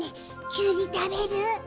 きゅうりたべる？